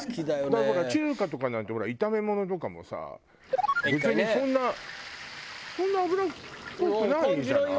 だから中華とかなんてほら炒め物とかもさ別にそんなそんな油っぽくないんじゃない？